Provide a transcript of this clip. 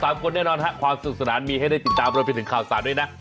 มีความสุขสนานมีให้ได้ติดตามคราวสารด้วยนะ